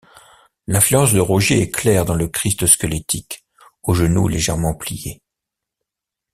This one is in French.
L'influence de Rogier est claire dans le Christ squelettique, aux genoux légèrement pliés.